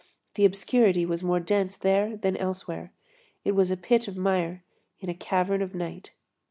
The obscurity was more dense there than elsewhere. It was a pit of mire in a cavern of night.